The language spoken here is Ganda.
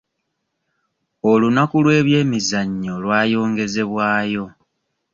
Olunaku lw'ebyemizannyo lwayongezebwayo.